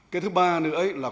cái thứ ba là